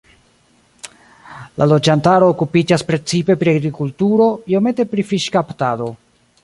La loĝantaro okupiĝas precipe pri agrikulturo, iomete pri fiŝkaptado.